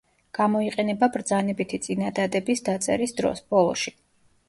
გამოიყენება ბრძანებითი წინადადების დაწერის დროს, ბოლოში.